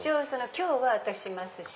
今日は私いますし。